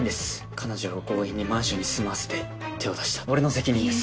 彼女を強引にマンションに住まわせて手を出した俺の責任です！